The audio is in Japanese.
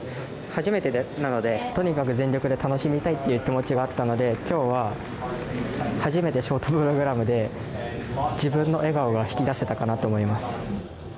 初めてなので、とにかく全力で楽しみたいっていう気持ちがあったのできょうは初めてショートプログラムで自分の笑顔が引き出せたかなと思います。